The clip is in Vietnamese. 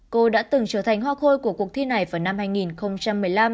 cô đã từng trở thành hoa khôi của cuộc thi này vào năm hai nghìn một mươi năm